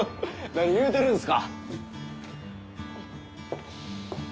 何言うてるんですか。